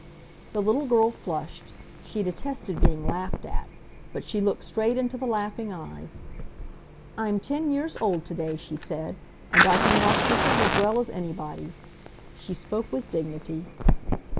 The little girl flushed—she detested being laughed at—but she looked straight into the laughing eyes. "I'm ten years old today," she said, "and I can wash dishes as well as anybody." She spoke with dignity.